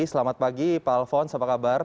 selamat pagi pak alphonse apa kabar